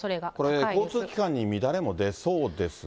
これ交通機関に乱れも出そうですね。